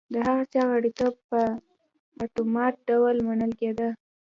د هغه چا غړیتوب په اتومات ډول منل کېده.